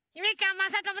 まさとも？